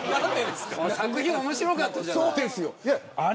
作品、面白かったじゃない。